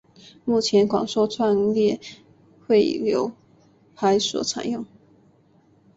目前广受串列汇流排所采用。